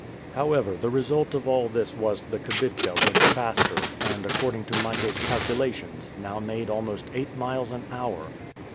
However, the result of all this was the kibitka went faster, and, according to Michael's calculations, now made almost eight miles an hour.